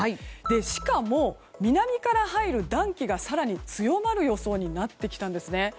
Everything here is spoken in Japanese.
しかも、南から入る暖気が更に強まる予想になってきたんですね。